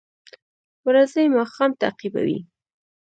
ورځې ماښام تعقیبوي